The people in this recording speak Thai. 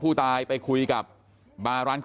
อยู่ดีมาตายแบบเปลือยคาห้องน้ำได้ยังไง